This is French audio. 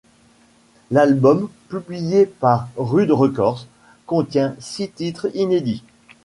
L'album, publié par Rude Records, contient six titres inédits.